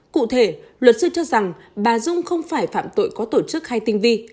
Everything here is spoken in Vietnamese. cụ thể luật sư cho rằng bà dung không phải phạm tội có tổ chức hay tinh vi